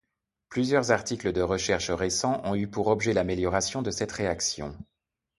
Plusieurs articles de recherche récents ont eu pour objet l'amélioration de cette réaction.